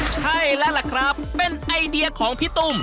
ใช่แล้วล่ะครับเป็นไอเดียของพี่ตุ้ม